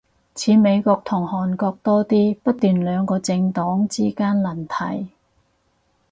似美國同韓國多啲，不斷兩個政黨之間輪替